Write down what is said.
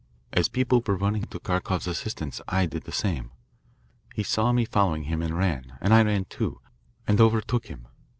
As people were running to Kharkoff's assistance, I did the same. He saw me following him and ran, and I ran, too, and overtook him.